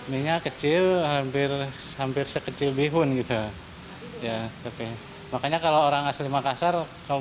minyak kecil hampir hampir sekecil bihun gitu ya makanya kalau orang asli makassar kaum